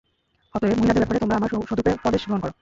অতএব, মহিলাদের ব্যাপারে তোমরা আমার সদুপদেশ গ্রহণ কর।